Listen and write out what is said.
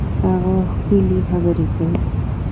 هغه ښکلي خبري کوي.